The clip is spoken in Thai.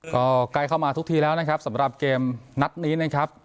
ก็ใกล้เข้ามาทุกทีแล้วนะครับสำหรับเกมนัดนี้นะครับ